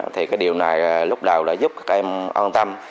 thì cái điều này lúc đầu đã giúp các em an tâm